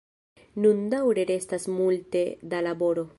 Nun daŭre restas multe da laboro.